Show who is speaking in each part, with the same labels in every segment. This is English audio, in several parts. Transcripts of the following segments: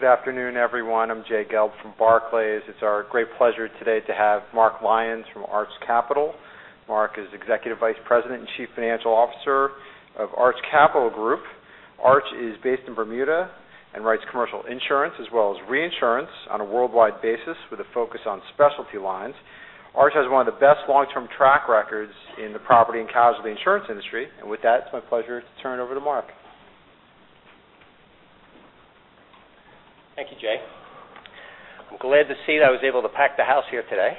Speaker 1: Good afternoon, everyone. I'm Jay Gelb from Barclays. It's our great pleasure today to have Mark Lyons from Arch Capital. Mark is Executive Vice President and Chief Financial Officer of Arch Capital Group. Arch is based in Bermuda and writes commercial insurance as well as reinsurance on a worldwide basis with a focus on specialty lines. Arch has one of the best long-term track records in the property and casualty insurance industry. With that, it's my pleasure to turn over to Mark.
Speaker 2: Thank you, Jay. I'm glad to see that I was able to pack the house here today.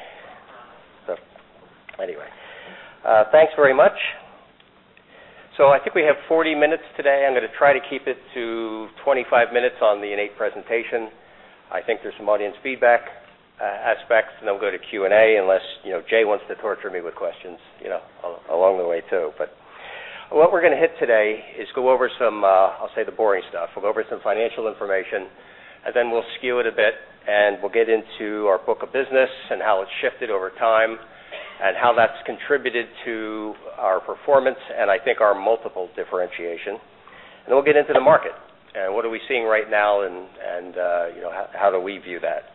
Speaker 2: Anyway, thanks very much. I think we have 40 minutes today. I'm going to try to keep it to 25 minutes on the in-depth presentation. I think there's some audience feedback aspects, and then we'll go to Q&A unless Jay wants to torture me with questions along the way, too. What we're going to hit today is go over some, I'll say, the boring stuff. We'll go over some financial information, and then we'll skew it a bit, and we'll get into our book of business and how it's shifted over time and how that's contributed to our performance and I think our multiple differentiation. We'll get into the market. What are we seeing right now, and how do we view that?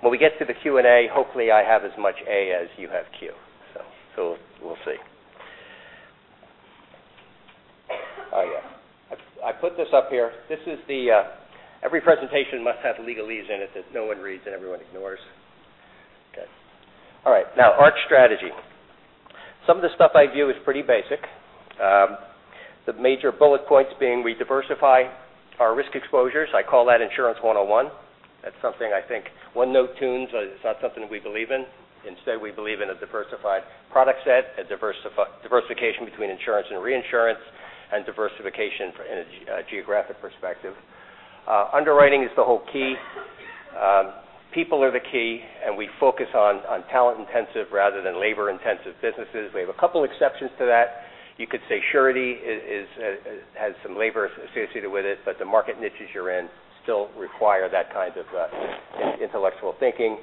Speaker 2: When we get to the Q&A, hopefully, I have as much A as you have Q. We'll see. Oh, yeah. I put this up here. Every presentation must have legalese in it that no one reads and everyone ignores. Okay. All right. Now, Arch strategy. Some of the stuff I view is pretty basic. The major bullet points being we diversify our risk exposures. I call that Insurance 101. That's something I think one-note tunes, it's not something we believe in. Instead, we believe in a diversified product set, a diversification between insurance and reinsurance, and diversification in a geographic perspective. Underwriting is the whole key. People are the key, and we focus on talent-intensive rather than labor-intensive businesses. We have a couple exceptions to that. You could say surety has some labor associated with it, the market niches you're in still require that kind of intellectual thinking.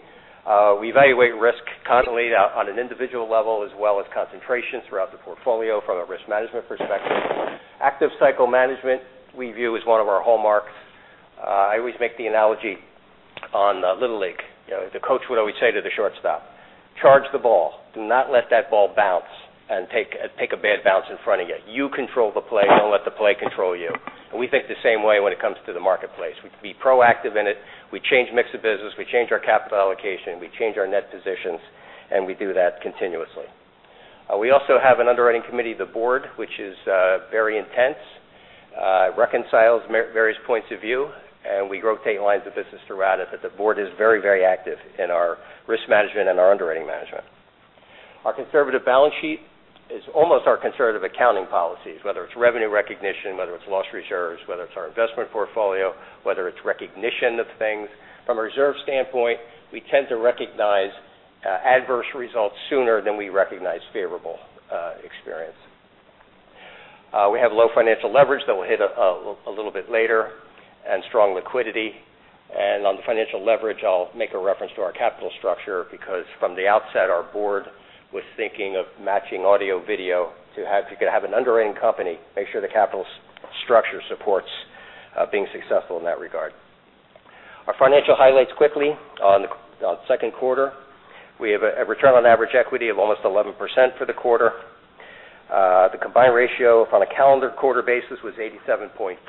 Speaker 2: We evaluate risk constantly on an individual level as well as concentration throughout the portfolio from a risk management perspective. Active cycle management we view as one of our hallmarks. I always make the analogy on Little League. The coach would always say to the shortstop, "Charge the ball. Do not let that ball bounce and take a bad bounce in front of you. You control the play. Don't let the play control you." We think the same way when it comes to the marketplace. We need to be proactive in it. We change mix of business. We change our capital allocation. We change our net positions, and we do that continuously. We also have an underwriting committee of the board, which is very intense. It reconciles various points of view. We rotate lines of business throughout it. The board is very active in our risk management and our underwriting management. Our conservative balance sheet is almost our conservative accounting policies, whether it's revenue recognition, whether it's loss reserves, whether it's our investment portfolio, whether it's recognition of things. From a reserve standpoint, we tend to recognize adverse results sooner than we recognize favorable experience. We have low financial leverage that we'll hit a little bit later and strong liquidity. On the financial leverage, I'll make a reference to our capital structure because from the outset, our board was thinking of matching asset-liability. If you could have an underwriting company, make sure the capital structure supports being successful in that regard. Our financial highlights quickly on the second quarter, we have a return on average equity of almost 11% for the quarter. The combined ratio on a calendar quarter basis was 87.4.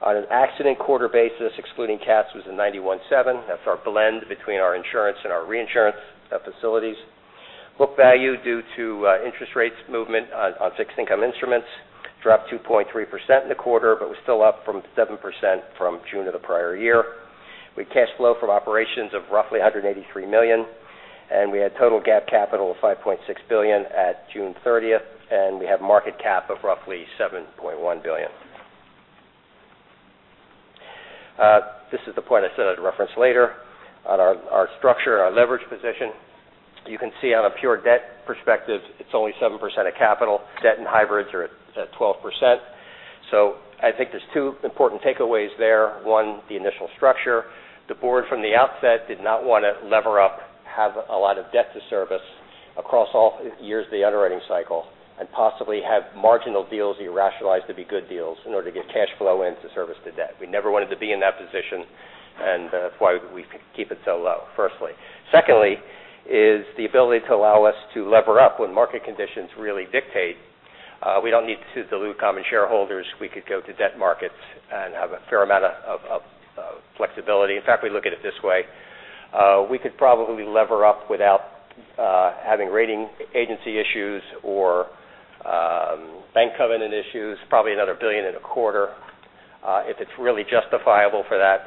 Speaker 2: On an accident quarter basis, excluding cats, was a 91.7. That's our blend between our insurance and our reinsurance facilities. Book value due to interest rates movement on fixed income instruments dropped 2.3% in the quarter, but was still up from 7% from June of the prior year. We had cash flow from operations of roughly $183 million. We had total GAAP capital of $5.6 billion at June 30th. We have market cap of roughly $7.1 billion. This is the point I said I'd reference later on our structure, our leverage position. You can see on a pure debt perspective, it's only 7% of capital. Debt and hybrids are at 12%. I think there's two important takeaways there. One, the initial structure. The board from the outset did not want to lever up, have a lot of debt to service across all years of the underwriting cycle and possibly have marginal deals you rationalize to be good deals in order to get cash flow in to service the debt. We never wanted to be in that position, and that's why we keep it so low, firstly. Secondly, is the ability to allow us to lever up when market conditions really dictate. We don't need to dilute common shareholders. We could go to debt markets and have a fair amount of flexibility. In fact, we look at it this way. We could probably lever up without having rating agency issues or bank covenant issues, probably another $1.25 billion. If it's really justifiable for that,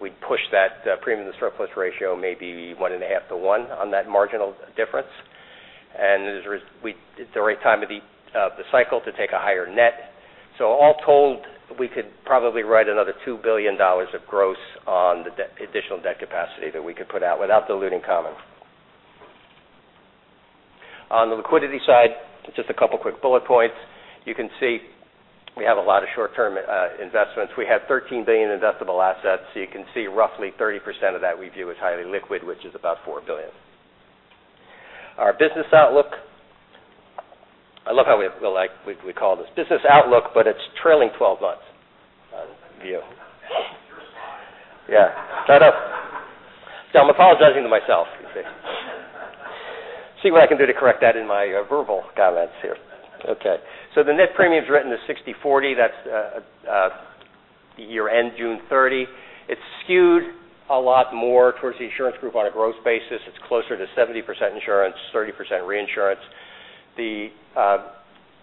Speaker 2: we'd push that premium to surplus ratio, maybe 1.5 to 1 on that marginal difference. It's the right time of the cycle to take a higher net. All told, we could probably write another $2 billion of gross on the additional debt capacity that we could put out without diluting common. On the liquidity side, just a couple of quick bullet points. You can see we have a lot of short-term investments. We have $13 billion investable assets. You can see roughly 30% of that we view as highly liquid, which is about $4 billion. Our business outlook I love how we call this business outlook, but it's trailing 12 months view.
Speaker 1: Your slide, man.
Speaker 2: Yeah. I'm apologizing to myself, you see. See what I can do to correct that in my verbal comments here. Okay. The net premiums written is 60/40. That's the year-end, June 30. It's skewed a lot more towards the insurance group on a growth basis. It's closer to 70% insurance, 30% reinsurance. The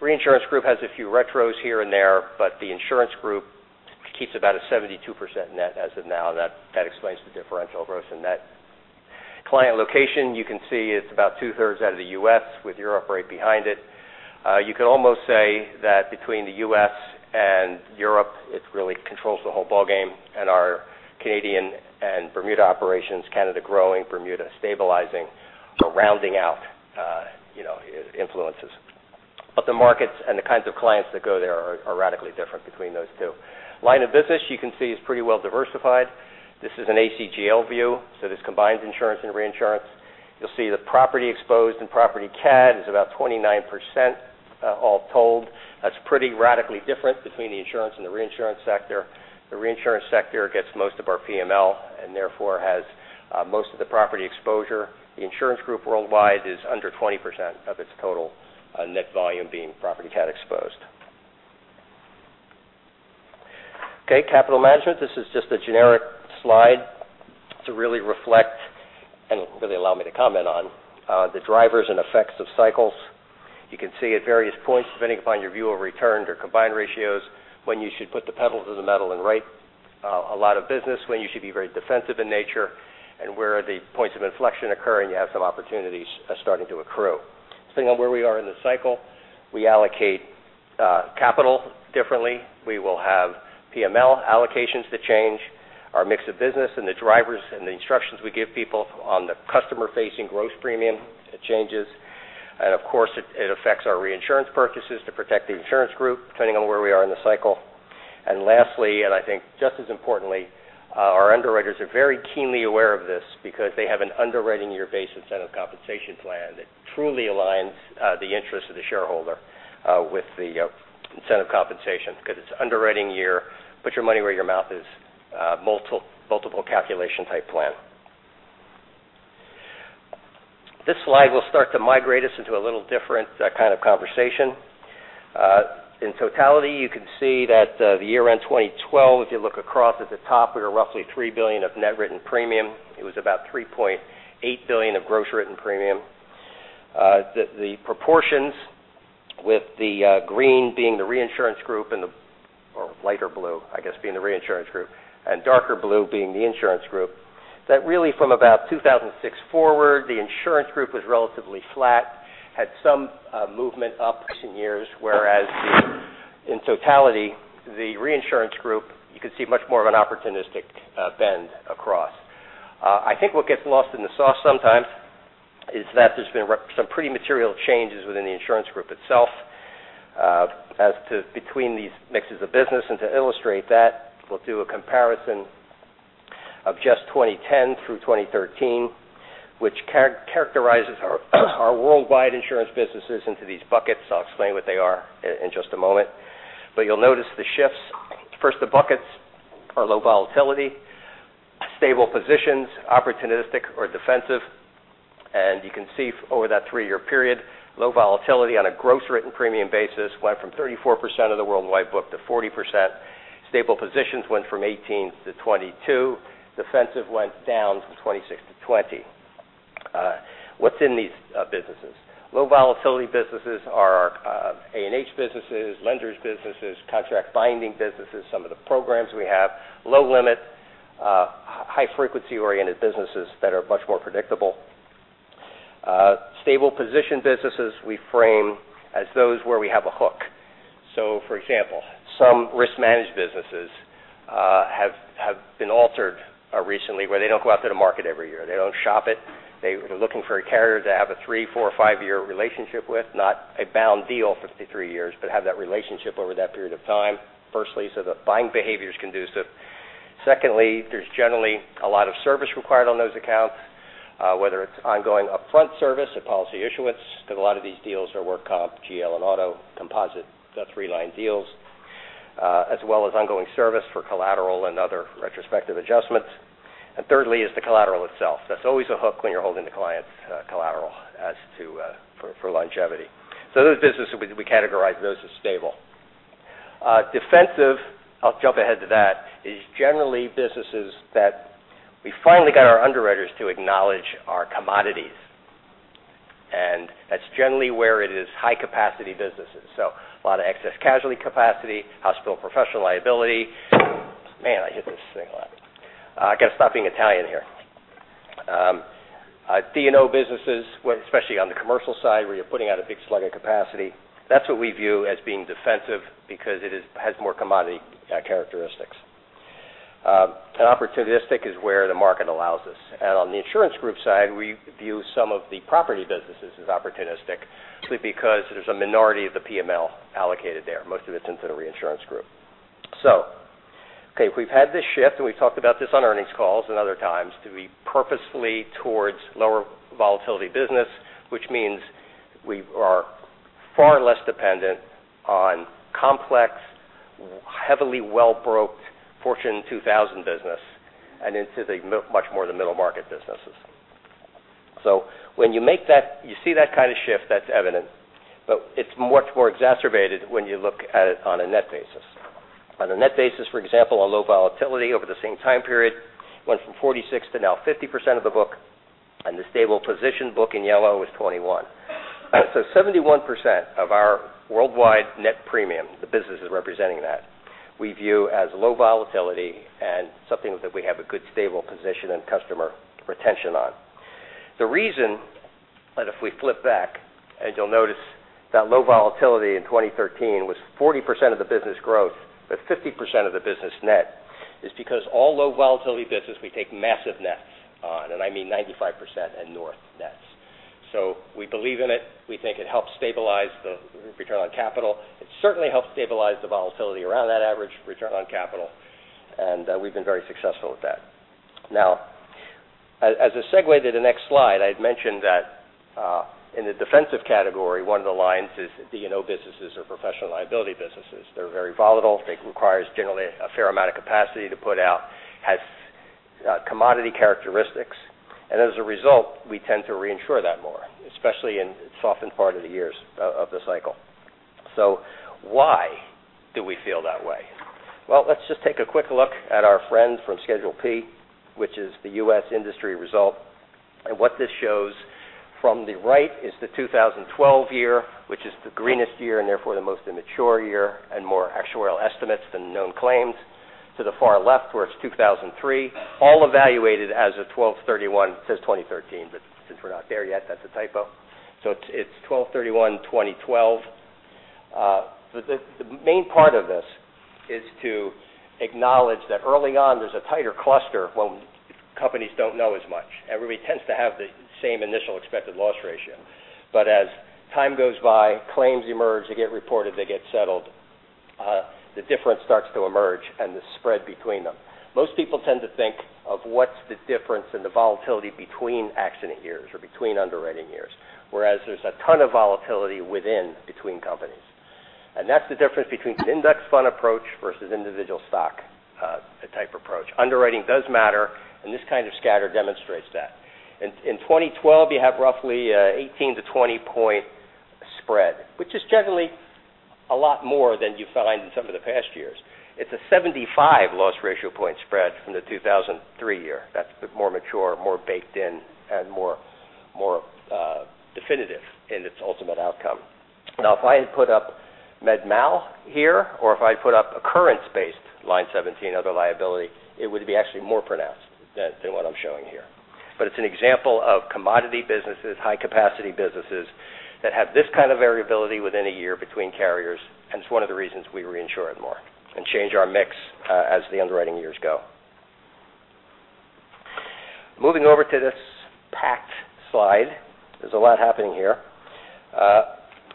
Speaker 2: reinsurance group has a few retros here and there, but the insurance group keeps about a 72% net as of now. That explains the differential growth in net. Client location, you can see it's about two-thirds out of the U.S., with Europe right behind it. You could almost say that between the U.S. and Europe, it really controls the whole ball game. Our Canadian and Bermuda operations, Canada growing, Bermuda stabilizing, are rounding out influences. The markets and the kinds of clients that go there are radically different between those two. Line of business, you can see, is pretty well diversified. This is an ACGL view, so this combines insurance and reinsurance. You'll see the property exposed and property cat is about 29%, all told. That's pretty radically different between the insurance and the reinsurance sector. The reinsurance sector gets most of our PML, and therefore, has most of the property exposure. The insurance group worldwide is under 20% of its total net volume being property cat exposed. Okay, capital management. This is just a generic slide to really reflect and really allow me to comment on the drivers and effects of cycles. You can see at various points, depending upon your view of returns or combined ratios, when you should put the pedal to the metal and write a lot of business, when you should be very defensive in nature, and where the points of inflection occur, and you have some opportunities starting to accrue. Depending on where we are in the cycle, we allocate capital differently. We will have PML allocations that change, our mix of business and the drivers and the instructions we give people on the customer-facing gross premium, it changes. Of course, it affects our reinsurance purchases to protect the insurance group, depending on where we are in the cycle. Lastly, I think just as importantly, our underwriters are very keenly aware of this because they have an underwriting year-based incentive compensation plan that truly aligns the interest of the shareholder with the incentive compensation because it's underwriting year, put your money where your mouth is, multiple calculation type plan. This slide will start to migrate us into a little different kind of conversation. In totality, you can see that the year-end 2012, if you look across at the top, we are roughly $3 billion of net written premium. It was about $3.8 billion of gross written premium. The proportions with the green being the reinsurance group or lighter blue, I guess, being the reinsurance group, darker blue being the insurance group. Really from about 2006 forward, the insurance group was relatively flat, had some movement upwards in years, whereas in totality, the reinsurance group, you could see much more of an opportunistic bend across. I think what gets lost in the sauce sometimes is that there's been some pretty material changes within the insurance group itself as to between these mixes of business. To illustrate that, we'll do a comparison of just 2010 through 2013, which characterizes our worldwide insurance businesses into these buckets. I'll explain what they are in just a moment. You'll notice the shifts. First, the buckets are low volatility, stable positions, opportunistic or defensive. You can see over that three-year period, low volatility on a gross written premium basis went from 34% of the worldwide book to 40%. Stable positions went from 18% to 22%. Defensive went down from 26% to 20%. What's in these businesses? Low volatility businesses are our A&H businesses, lenders' businesses, contract binding businesses, some of the programs we have, low limit, high frequency-oriented businesses that are much more predictable. Stable position businesses we frame as those where we have a hook. For example, some risk managed businesses have been altered recently where they don't go out to the market every year. They don't shop it. They're looking for a carrier to have a three, four or five-year relationship with, not a bound deal for 53 years, but have that relationship over that period of time. Firstly, the buying behavior is conducive. Secondly, there's generally a lot of service required on those accounts, whether it's ongoing upfront service at policy issuance, because a lot of these deals are work comp, GL, and auto composite, the three-line deals, as well as ongoing service for collateral and other retrospective adjustments. Thirdly, is the collateral itself. That's always a hook when you're holding the client's collateral as to for longevity. Those businesses, we categorize those as stable. Defensive, I'll jump ahead to that, is generally businesses that we finally got our underwriters to acknowledge are commodities, that's generally where it is high capacity businesses. A lot of excess casualty capacity, hospital professional liability. Man, I hit this thing a lot. I got to stop being Italian here. D&O businesses, especially on the commercial side, where you're putting out a big slug of capacity. That's what we view as being defensive because it has more commodity characteristics. Opportunistic is where the market allows us. On the insurance group side, we view some of the property businesses as opportunistic simply because there's a minority of the PML allocated there. Most of it's into the reinsurance group. Okay. We've had this shift, and we've talked about this on earnings calls and other times, to be purposely towards lower volatility business, which means we are far less dependent on complex, heavily well-brokered Forbes Global 2000 business and into the much more of the middle market businesses. When you see that kind of shift, that's evident, but it's much more exacerbated when you look at it on a net basis. On a net basis, for example, on low volatility over the same time period, went from 46% to now 50% of the book, and the stable position book in yellow is 21%. 71% of our worldwide net premium, the business is representing that, we view as low volatility and something that we have a good stable position and customer retention on. The reason that if we flip back, and you'll notice that low volatility in 2013 was 40% of the business growth, but 50% of the business net is because all low volatility business, we take massive nets on, and I mean 95% and north nets. We believe in it. We think it helps stabilize the return on capital. It certainly helps stabilize the volatility around that average return on capital, and we've been very successful with that. As a segue to the next slide, I had mentioned that in the defensive category, one of the lines is the D&O businesses or professional liability businesses. They're very volatile. It requires generally a fair amount of capacity to put out, has commodity characteristics. As a result, we tend to reinsure that more, especially in softened part of the years of the cycle. Why do we feel that way? Let's just take a quick look at our friend from Schedule P, which is the U.S. industry result. What this shows from the right is the 2012 year, which is the greenest year and therefore the most immature year and more actuarial estimates than known claims. To the far left, where it's 2003, all evaluated as of 12/31. It says 2013, but since we're not there yet, that's a typo. It's 12/31/2012. The main part of this is to acknowledge that early on, there's a tighter cluster when companies don't know as much. Everybody tends to have the same initial expected loss ratio. As time goes by, claims emerge, they get reported, they get settled. The difference starts to emerge and the spread between them. Most people tend to think of what's the difference in the volatility between accident years or between underwriting years, whereas there's a ton of volatility within between companies. That's the difference between index fund approach versus individual stock type approach. Underwriting does matter, and this kind of scatter demonstrates that. In 2012, you have roughly 18 to 20 point spread, which is generally a lot more than you find in some of the past years. It's a 75 loss ratio point spread from the 2003 year. That's a bit more mature, more baked in, and more definitive in its ultimate outcome. If I had put up MedMal here, or if I put up occurrence-based line 17, other liability, it would be actually more pronounced than what I'm showing here. It's an example of commodity businesses, high capacity businesses that have this kind of variability within a year between carriers, and it's one of the reasons we reinsure it more and change our mix as the underwriting years go. Moving over to this packed slide. There's a lot happening here.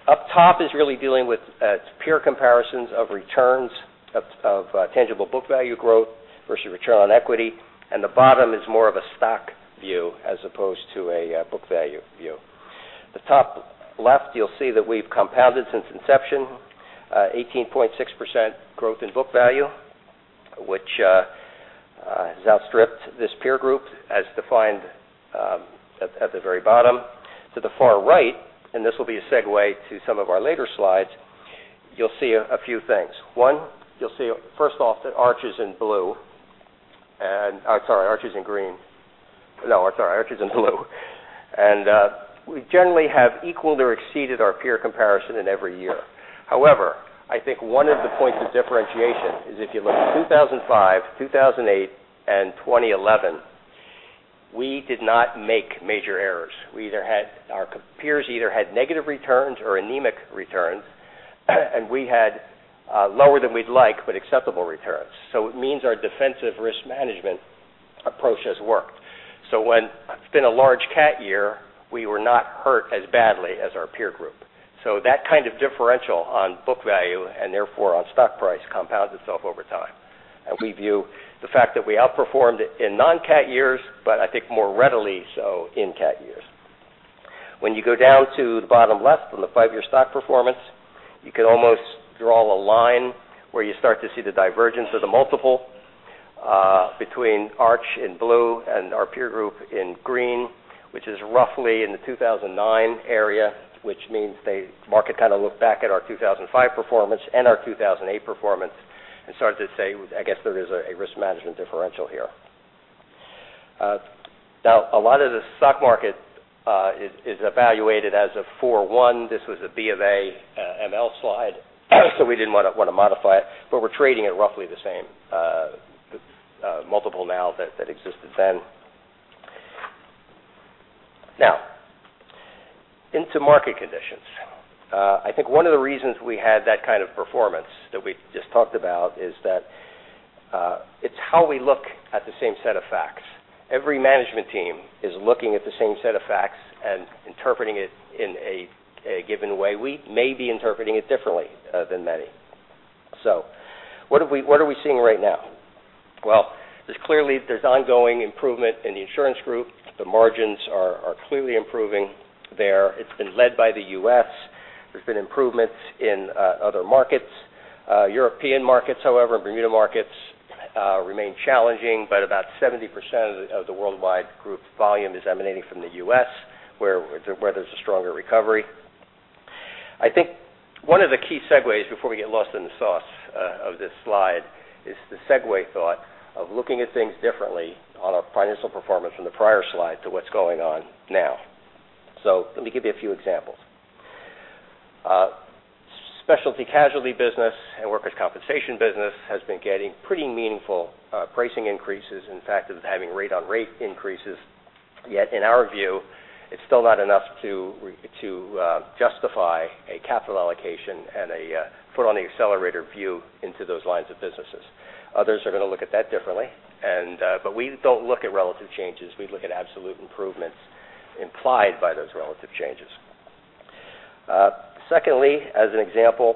Speaker 2: Up top is really dealing with peer comparisons of returns of tangible book value growth versus return on equity. The bottom is more of a stock view as opposed to a book value view. The top left, you'll see that we've compounded since inception, 18.6% growth in book value, which has outstripped this peer group as defined at the very bottom. To the far right, this will be a segue to some of our later slides, you'll see a few things. One, you'll see, first off, that Arch is in blue. Sorry, Arch is in green. No, sorry, Arch is in blue. We generally have equaled or exceeded our peer comparison in every year. However, I think one of the points of differentiation is if you look at 2005, 2008, and 2011, we did not make major errors. Our peers either had negative returns or anemic returns, and we had lower than we'd like, but acceptable returns. It means our defensive risk management approach has worked. When it's been a large cat year, we were not hurt as badly as our peer group. That kind of differential on book value, and therefore on stock price, compounds itself over time. We view the fact that we outperformed in non-cat years, but I think more readily so in cat years. When you go down to the bottom left on the five-year stock performance, you can almost draw a line where you start to see the divergence of the multiple between Arch in blue and our peer group in green, which is roughly in the 2009 area, which means the market kind of looked back at our 2005 performance and our 2008 performance and started to say, "I guess there is a risk management differential here." A lot of the stock market is evaluated as of four/one. This was a BofAML slide, we didn't want to modify it, but we're trading at roughly the same multiple now that existed then. Into market conditions. I think one of the reasons we had that kind of performance that we just talked about is that it's how we look at the same set of facts. Every management team is looking at the same set of facts and interpreting it in a given way. We may be interpreting it differently than many. What are we seeing right now? Well, there's clearly ongoing improvement in the insurance group. The margins are clearly improving there. It's been led by the U.S. There's been improvements in other markets. European markets, however, Bermuda markets remain challenging, but about 70% of the worldwide group volume is emanating from the U.S., where there's a stronger recovery. I think one of the key segues, before we get lost in the sauce of this slide, is the segue thought of looking at things differently on our financial performance from the prior slide to what's going on now. Let me give you a few examples. Specialty casualty business and workers' compensation business has been getting pretty meaningful pricing increases. In fact, it is having rate on rate increases, yet in our view, it's still not enough to justify a capital allocation and a foot on the accelerator view into those lines of businesses. Others are going to look at that differently. We don't look at relative changes. We look at absolute improvements implied by those relative changes. Secondly, as an example,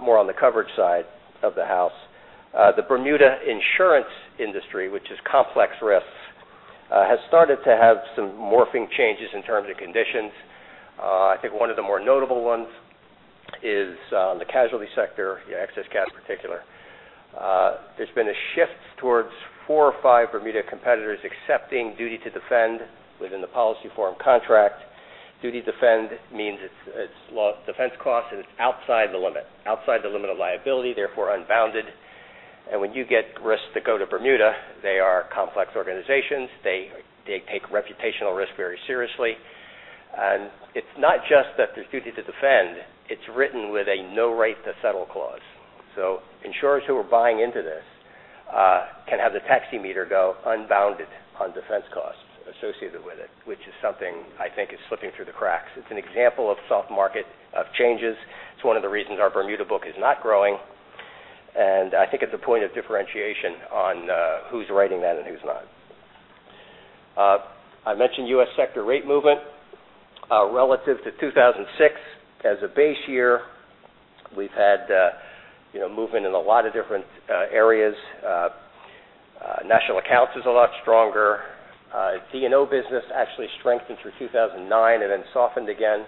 Speaker 2: more on the coverage side of the house, the Bermuda insurance industry, which is complex risks, has started to have some morphing changes in terms of conditions. I think one of the more notable ones is on the casualty sector, excess casualty in particular. There's been a shift towards four or five Bermuda competitors accepting duty to defend within the policy form contract. Duty to defend means it's defense costs, and it's outside the limit of liability, therefore unbounded. When you get risks that go to Bermuda, they are complex organizations. They take reputational risk very seriously. It's not just that there's duty to defend. It's written with a no right to settle clause. Insurers who are buying into this can have the taxi meter go unbounded on defense costs associated with it, which is something I think is slipping through the cracks. It's an example of soft market changes. It's one of the reasons our Bermuda book is not growing, and I think it's a point of differentiation on who's writing that and who's not. I mentioned U.S. sector rate movement. Relative to 2006 as a base year, we've had movement in a lot of different areas. National accounts is a lot stronger. D&O business actually strengthened through 2009 and then softened again.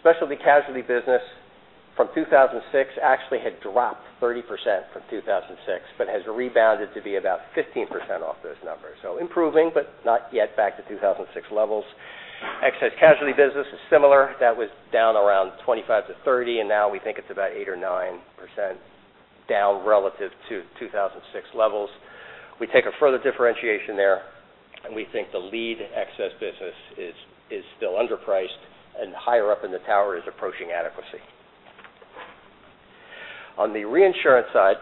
Speaker 2: Specialty casualty business from 2006 actually had dropped 30% from 2006, but has rebounded to be about 15% off those numbers. Improving, but not yet back to 2006 levels. Excess casualty business is similar. That was down around 25%-30%, and now we think it's about 8% or 9% down relative to 2006 levels. We take a further differentiation there, and we think the lead excess business is still underpriced and higher up in the tower is approaching adequacy. On the reinsurance side,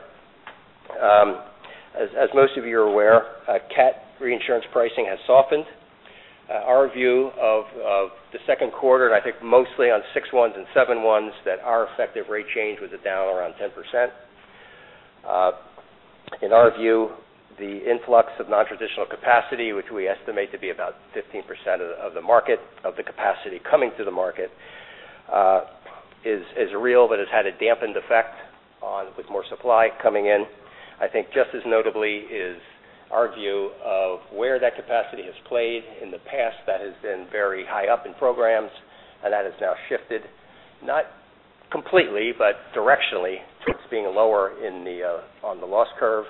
Speaker 2: as most of you are aware, cat reinsurance pricing has softened. Our view of the second quarter, and I think mostly on 6/1s and 7/1s, that our effective rate change was down around 10%. In our view, the influx of non-traditional capacity, which we estimate to be about 15% of the capacity coming to the market, is real but has had a dampened effect with more supply coming in. I think just as notably is our view of where that capacity has played in the past that has been very high up in programs and that has now shifted, not completely, but directionally towards being lower on the loss curve.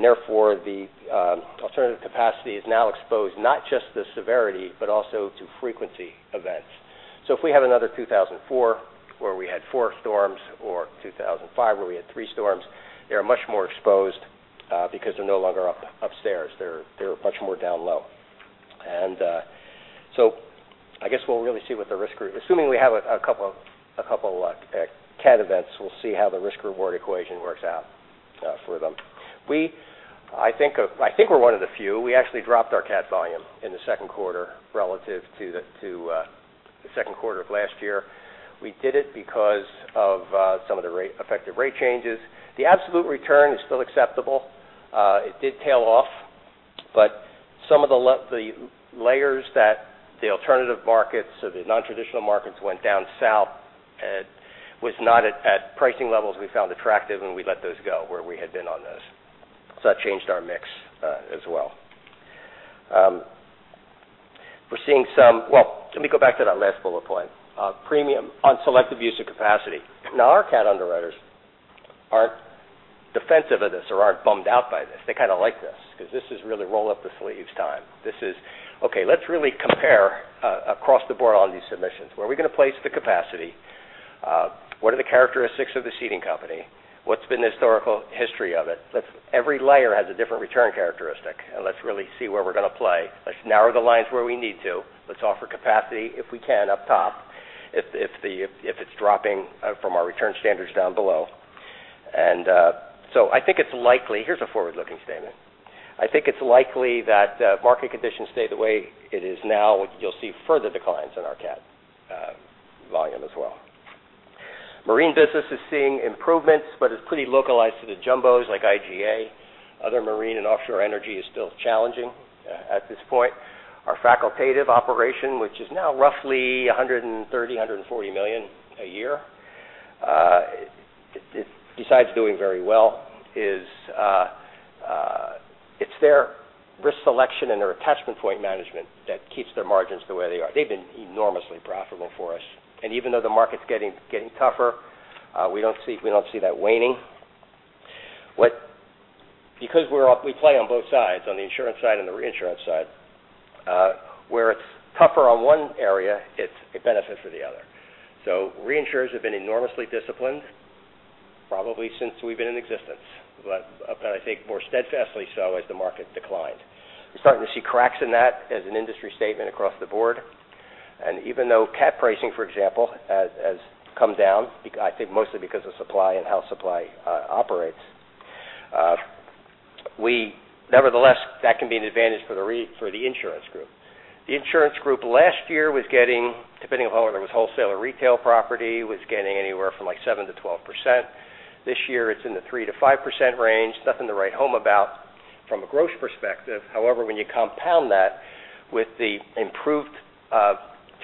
Speaker 2: Therefore, the alternative capacity is now exposed not just to severity, but also to frequency events. If we have another 2004, where we had four storms, or 2005, where we had three storms, they're much more exposed because they're no longer upstairs. They're much more down low. I guess we'll really see what the risk. Assuming we have a couple cat events, we'll see how the risk/reward equation works out for them. I think we're one of the few. We actually dropped our cat volume in the second quarter relative to the second quarter of last year. We did it because of some of the effective rate changes. The absolute return is still acceptable. It did tail off, but some of the layers that the alternative markets or the non-traditional markets went down south was not at pricing levels we found attractive, and we let those go where we had been on those. That changed our mix as well. Let me go back to that last bullet point. On selective use of capacity. Our cat underwriters aren't defensive of this or aren't bummed out by this. They kind of like this because this is really roll up the sleeves time. This is, okay, let's really compare across the board on these submissions. Where are we going to place the capacity? What are the characteristics of the ceding company? What's been the historical history of it? Every layer has a different return characteristic, and let's really see where we're going to play. Let's narrow the lines where we need to. Let's offer capacity, if we can, up top if it's dropping from our return standards down below. Here's a forward-looking statement. I think it's likely that market conditions stay the way it is now, you'll see further declines in our cat as well. Marine business is seeing improvements, but is pretty localized to the jumbos like IGA. Other marine and offshore energy is still challenging at this point. Our facultative operation, which is now roughly $130 million-$140 million a year, besides doing very well, it's their risk selection and their attachment point management that keeps their margins the way they are. They've been enormously profitable for us. Even though the market's getting tougher, we don't see that waning. We play on both sides, on the insurance side and the reinsurance side, where it's tougher on one area, it's a benefit for the other. Reinsurers have been enormously disciplined probably since we've been in existence, but I think more steadfastly so as the market declined. We're starting to see cracks in that as an industry statement across the board. Even though cat pricing, for example, has come down, I think mostly because of supply and how supply operates. Nevertheless, that can be an advantage for the insurance group. The insurance group last year was getting, depending on whether it was wholesale or retail property, was getting anywhere from 7%-12%. This year, it's in the 3%-5% range. Nothing to write home about from a gross perspective. However, when you compound that with the improved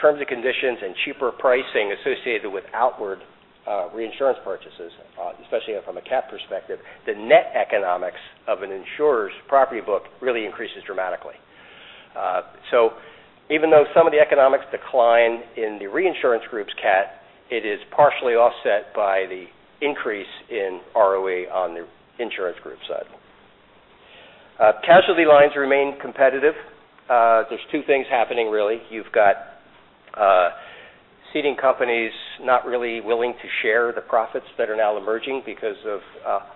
Speaker 2: terms and conditions and cheaper pricing associated with outward reinsurance purchases, especially from a cat perspective, the net economics of an insurer's property book really increases dramatically. Even though some of the economics decline in the reinsurance group's cat, it is partially offset by the increase in ROE on the insurance group side. Casualty lines remain competitive. There's two things happening, really. You've got ceding companies not really willing to share the profits that are now emerging because of,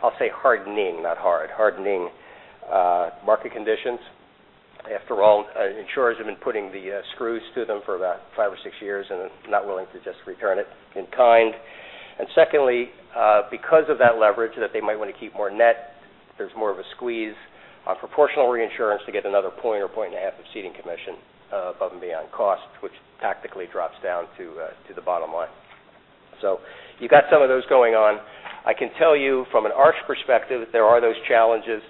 Speaker 2: I'll say hardening, not hard, hardening market conditions. After all, insurers have been putting the screws to them for about five or six years and are not willing to just return it in kind. Secondly, because of that leverage that they might want to keep more net, there's more of a squeeze on proportional reinsurance to get another point or point and a half of ceding commission above and beyond cost, which tactically drops down to the bottom line. You got some of those going on. I can tell you from an Arch perspective, there are those challenges.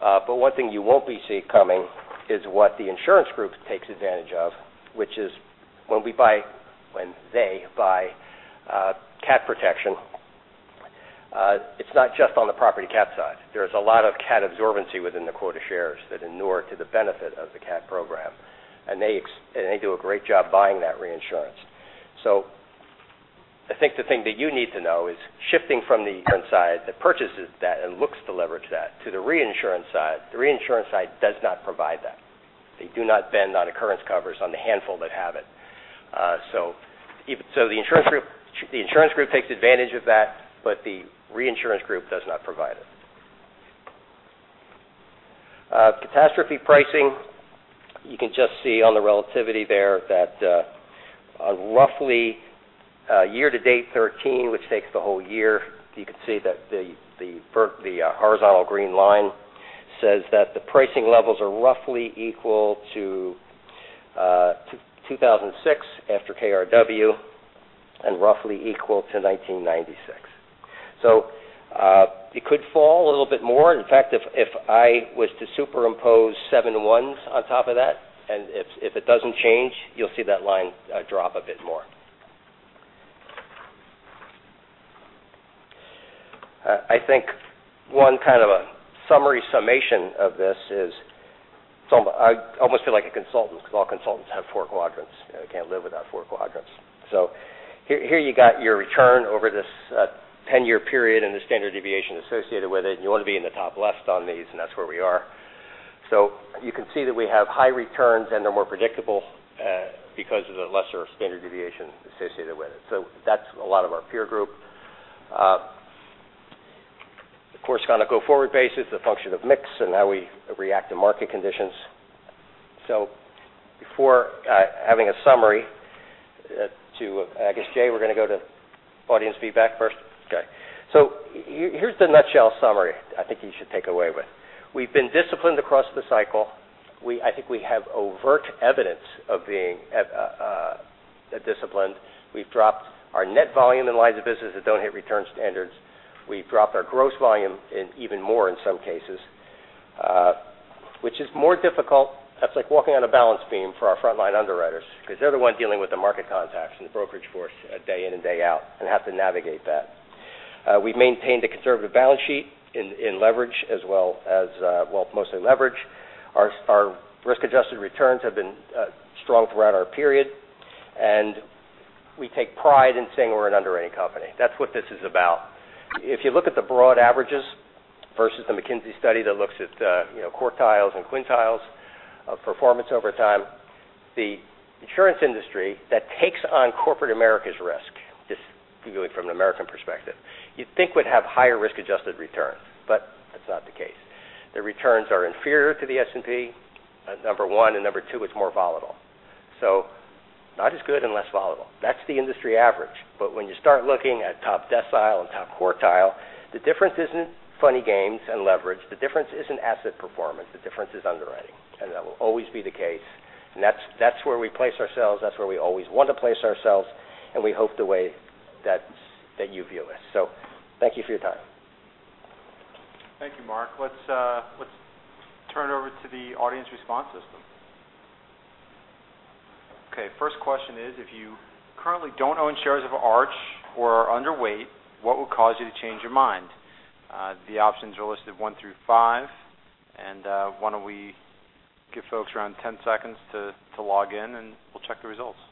Speaker 2: One thing you won't be seeing coming is what the insurance group takes advantage of, which is when they buy cat protection, it's not just on the property cat side. There is a lot of cat absorbency within the quota shares that inure to the benefit of the cat program, and they do a great job buying that reinsurance. I think the thing that you need to know is shifting from the current side that purchases that and looks to leverage that to the reinsurance side, the reinsurance side does not provide that. They do not bend on occurrence covers on the handful that have it. The insurance group takes advantage of that, but the reinsurance group does not provide it. Catastrophe pricing, you can just see on the relativity there that on roughly year to date 2013, which takes the whole year, you can see that the horizontal green line says that the pricing levels are roughly equal to 2006 after KRW and roughly equal to 1996. It could fall a little bit more. In fact, if I was to superimpose 7/1s on top of that, and if it doesn't change, you'll see that line drop a bit more. I think one kind of a summary summation of this is, I almost feel like a consultant because all consultants have four quadrants. They can't live without four quadrants. Here you got your return over this 10-year period and the standard deviation associated with it, and you want to be in the top left on these, and that's where we are. You can see that we have high returns, and they're more predictable because of the lesser standard deviation associated with it. That's a lot of our peer group. Of course, on a go-forward basis, the function of mix and how we react to market conditions. Before having a summary, I guess, Jay, we're going to go to audience feedback first? Okay. Here's the nutshell summary I think you should take away with. We've been disciplined across the cycle. I think we have overt evidence of being disciplined. We've dropped our net volume in lines of business that don't hit return standards. We've dropped our gross volume even more in some cases, which is more difficult. That's like walking on a balance beam for our frontline underwriters because they're the one dealing with the market contacts and the brokerage force day in and day out and have to navigate that. We've maintained a conservative balance sheet in leverage as well as mostly leverage. Our risk-adjusted returns have been strong throughout our period, and we take pride in saying we're an underwriting company. That's what this is about. If you look at the broad averages versus the McKinsey study that looks at quartiles and quintiles of performance over time, the insurance industry that takes on corporate America's risk, just viewing it from an American perspective, you'd think would have higher risk-adjusted returns, but that's not the case. Their returns are inferior to the S&P, number 1, and number 2, it's more volatile. Not as good and less volatile. That's the industry average. When you start looking at top decile and top quartile, the difference isn't funny games and leverage. The difference isn't asset performance. The difference is underwriting, and that will always be the case. That's where we place ourselves, that's where we always want to place ourselves, and we hope the way that you view us. Thank you for your time.
Speaker 1: Thank you, Mark. Let's turn it over to the audience response system. Okay, first question is, if you currently don't own shares of Arch or are underweight, what will cause you to change your mind? The options are listed one through five. Why don't we give folks around 10 seconds to log in, and we'll check the results. Okay, results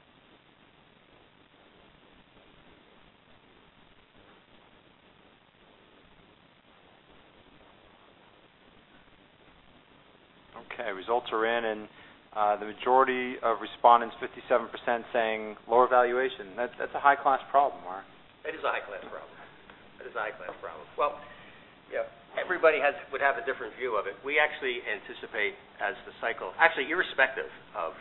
Speaker 1: are in, and the majority of respondents, 57%, saying lower valuation. That's a high-class problem, Mark.
Speaker 2: That is a high-class problem. Well, everybody would have a different view of it. We actually anticipate as the cycle, irrespective of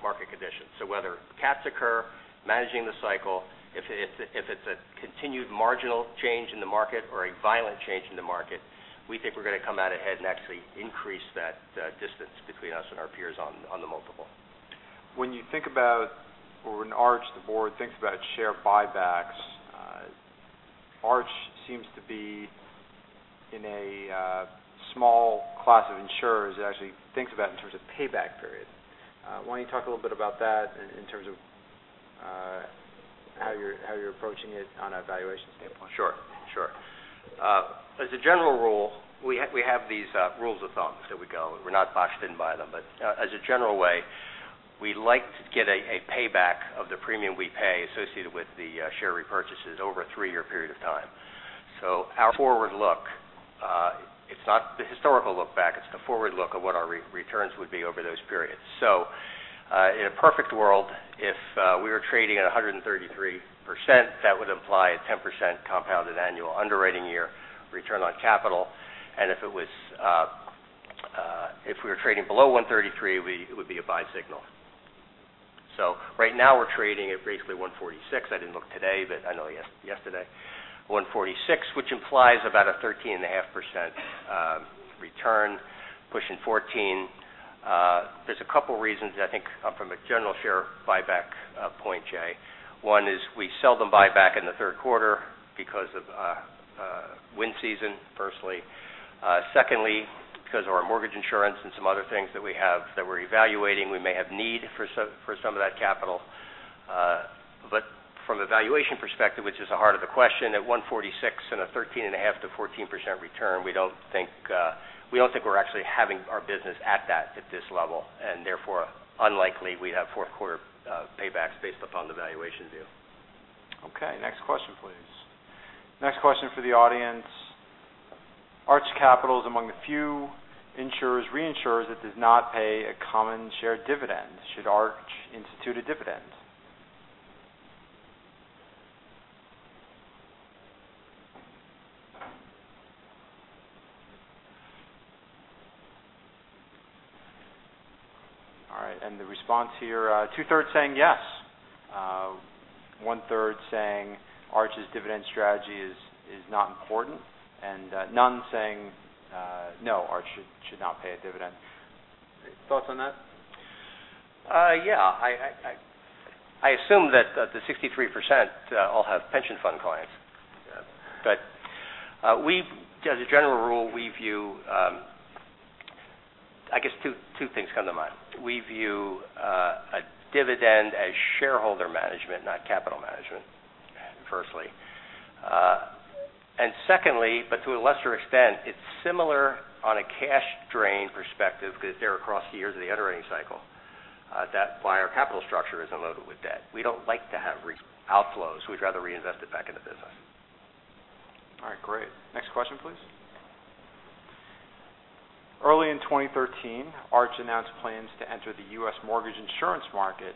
Speaker 2: market conditions, so whether cats occur, managing the cycle, if it's a continued marginal change in the market or a violent change in the market, we think we're going to come out ahead and actually increase that distance between us and our peers on the multiple.
Speaker 1: When you think about, or when Arch, the board thinks about share buybacks, Arch seems to be in a small class of insurers that actually thinks of that in terms of payback period. Why don't you talk a little bit about that in terms of how you're approaching it on a valuation standpoint?
Speaker 2: Sure. As a general rule, we have these rules of thumb that we go. We're not boxed in by them. As a general way, we like to get a payback of the premium we pay associated with the share repurchases over a three-year period of time. Our forward look, it's not the historical look back, it's the forward look of what our returns would be over those periods. In a perfect world, if we were trading at 133%, that would imply a 10% compounded annual underwriting year return on capital. If we were trading below 133, it would be a buy signal. Right now, we're trading at basically 146. I didn't look today, but I know yesterday, 146, which implies about a 13.5% return, pushing 14. There's a couple reasons, I think, from a general share buyback point, Jay. One is we seldom buy back in the third quarter because of wind season, firstly. Secondly, because of our mortgage insurance and some other things that we have that we're evaluating, we may have need for some of that capital. From a valuation perspective, which is the heart of the question, at 146 and a 13.5%-14% return, we don't think we're actually having our business at this level, and therefore, unlikely we'd have fourth quarter paybacks based upon the valuation view.
Speaker 1: Okay. Next question, please. Next question for the audience. Arch Capital is among the few insurers, reinsurers, that does not pay a common share dividend. Should Arch institute a dividend? All right, the response here, two-thirds saying yes. One-third saying Arch's dividend strategy is not important. None saying, no, Arch should not pay a dividend. Thoughts on that?
Speaker 2: Yeah. I assume that the 63% all have pension fund clients.
Speaker 1: Yeah.
Speaker 2: As a general rule, I guess two things come to mind. We view a dividend as shareholder management, not capital management, firstly. Secondly, to a lesser extent, it's similar on a cash drain perspective because they're across years of the underwriting cycle, that why our capital structure is unloaded with debt. We don't like to have outflows. We'd rather reinvest it back in the business.
Speaker 1: All right, great. Next question, please. Early in 2013, Arch announced plans to enter the U.S. mortgage insurance market.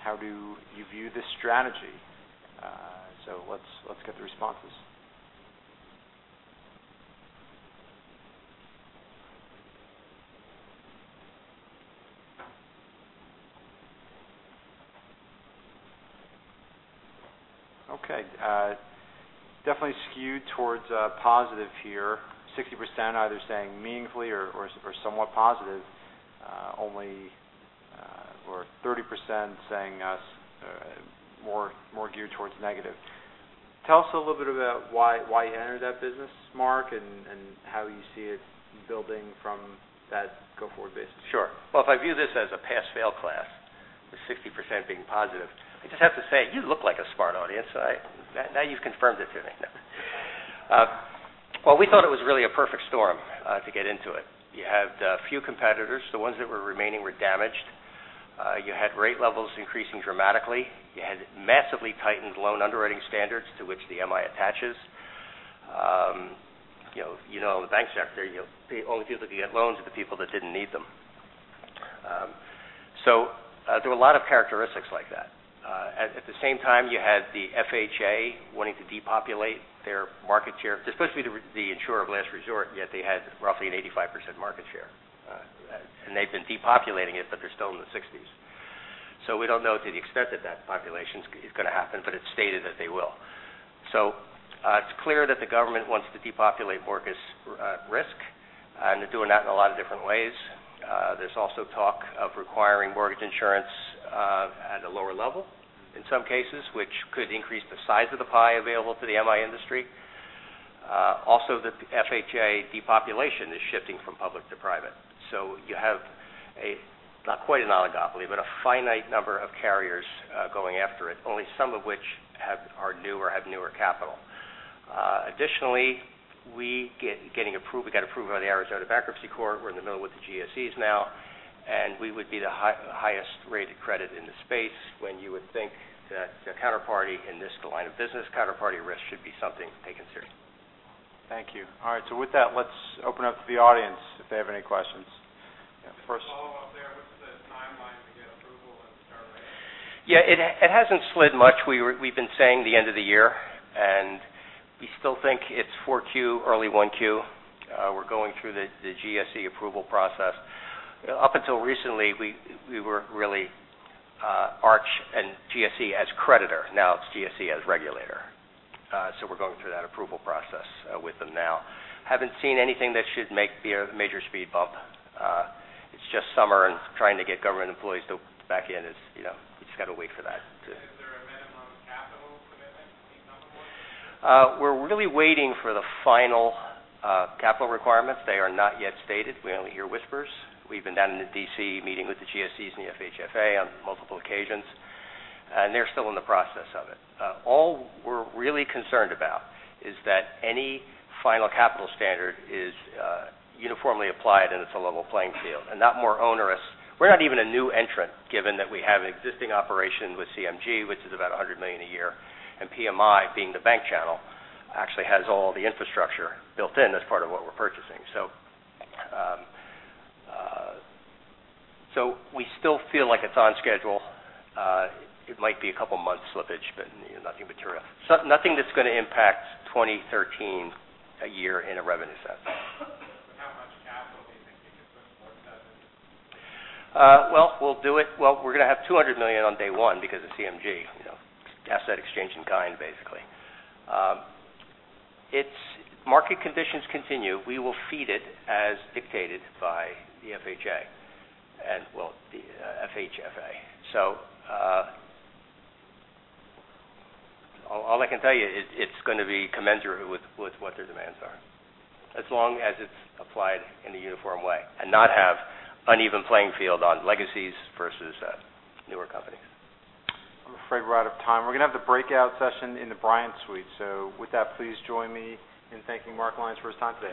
Speaker 1: How do you view this strategy? Let's get the responses. Okay. Definitely skewed towards positive here, 60% either saying meaningfully or somewhat positive. Only 30% saying more geared towards negative. Tell us a little bit about why you entered that business, Mark, and how you see it building from that go-forward basis.
Speaker 2: Sure. Well, if I view this as a pass, fail class, with 60% being positive, I just have to say, you look like a smart audience. Now you've confirmed it to me. No. Well, we thought it was really a perfect storm to get into it. You had few competitors. The ones that were remaining were damaged. You had rate levels increasing dramatically. You had massively tightened loan underwriting standards to which the MI attaches. The banks out there, the only people that could get loans are the people that didn't need them. There were a lot of characteristics like that. At the same time, you had the FHA wanting to depopulate their market share. They're supposed to be the insurer of last resort, yet they had roughly an 85% market share. They've been depopulating it, but they're still in the 60s. We don't know to the extent that population is going to happen. It's stated that they will. It's clear that the government wants to depopulate mortgage risk. They're doing that in a lot of different ways. There's also talk of requiring mortgage insurance at a lower level in some cases, which could increase the size of the pie available to the MI industry. The FHA depopulation is shifting from public to private. You have a, not quite an oligopoly, but a finite number of carriers going after it, only some of which are new or have newer capital. We got approval of the Arizona bankruptcy court. We're in the middle with the GSEs now. We would be the highest-rated credit in the space when you would think that the counterparty in this line of business, counterparty risk should be something taken seriously.
Speaker 1: Thank you. All right. With that, let's open up to the audience if they have any questions. Just a follow-up there. What's the timeline to get approval and start writing?
Speaker 2: It hasn't slid much. We've been saying the end of the year. We still think it's 4Q, early 1Q. We're going through the GSE approval process. Up until recently, we were really Arch and GSE as creditor. Now it's GSE as regulator. We're going through that approval process with them now. Haven't seen anything that should make the major speed bump. It's just summer and trying to get government employees to back in, you just got to wait for that to-
Speaker 1: Is there a minimum capital commitment, can you talk about that?
Speaker 2: We're really waiting for the final capital requirements. They are not yet stated. We only hear whispers. We've been down in D.C. meeting with the GSEs and the FHFA on multiple occasions, and they're still in the process of it. All we're really concerned about is that any final capital standard is uniformly applied and it's a level playing field and not more onerous. We're not even a new entrant given that we have existing operation with CMG, which is about $100 million a year, and PMI, being the bank channel, actually has all the infrastructure built in as part of what we're purchasing. We still feel like it's on schedule. It might be a couple of months slippage, but nothing material. Nothing that's going to impact 2013, a year in a revenue sense.
Speaker 1: How much capital do you think you could put towards that end?
Speaker 2: Well, we're going to have $200 million on day one because of CMG. It's asset exchange in kind, basically. If market conditions continue, we will feed it as dictated by the FHA and, well, the FHFA. All I can tell you is it's going to be commensurate with what their demands are as long as it's applied in a uniform way and not have uneven playing field on legacies versus newer companies.
Speaker 1: I'm afraid we're out of time. We're going to have the breakout session in the Bryant Suite. With that, please join me in thanking Mark Lyons for his time today.